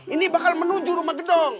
ini bakal menuju rumah gedung